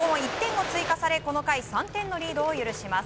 その後も１点を追加されこの回、３点のリードを許します。